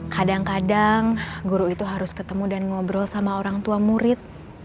kadang kadang guru itu harus ketemu dan ngobrol sama orang tua murid